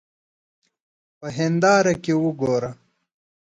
په هېنداره کې وګوره.